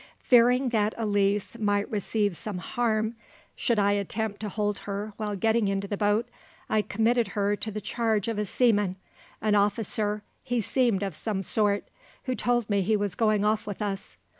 Fearing that Elise might receive some harm should I attempt to hold her while getting into the boat, I committed her to the charge of a seaman, an officer he seemed of some sort, who told me he was going off with us.